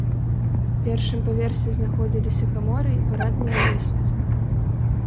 У першым паверсе знаходзіліся каморы і парадная лесвіца.